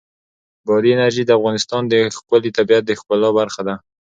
بادي انرژي د افغانستان د ښکلي طبیعت د ښکلا برخه ده.